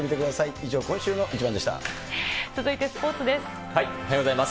以上、続いてスポーツです。